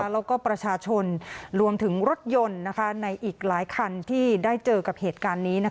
แล้วก็ประชาชนรวมถึงรถยนต์ในอีกหลายคันที่ได้เจอกับเหตุการณ์นี้